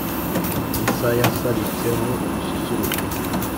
Isa yasabitseho ubususuruke